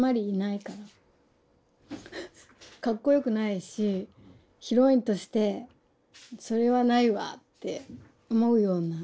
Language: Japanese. かっこよくないしヒロインとして「それはないわ」って思うようなことでしょ。